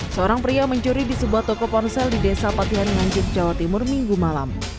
seorang pria mencuri di sebuah toko ponsel di desa patihan nganjuk jawa timur minggu malam